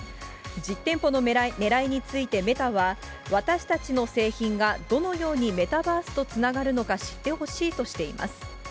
実店舗のねらいについて、メタは、私たちの製品がどのようにメタバースとつながるのか知ってほしいとしています。